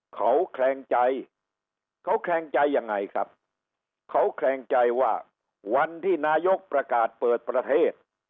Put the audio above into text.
เค้าแครงใจว่าวันที่นายกประกาศเปิดประเทศ